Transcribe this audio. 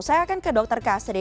saya akan ke dokter kasri